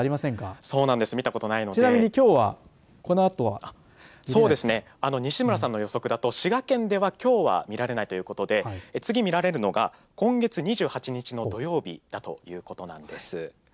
まだ見たことないんできょうは、このあとは西村さんの予測だと滋賀県ではきょうは見られないということで次に見られるのが今月２８日の土曜日だということなんです。